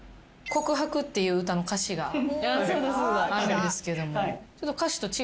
『告白』っていう歌の歌詞があるんですけども。